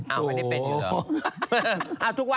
อ้าวไม่ได้ถูกหรอ